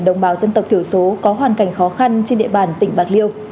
đồng bào dân tộc thiểu số có hoàn cảnh khó khăn trên địa bàn tỉnh bạc liêu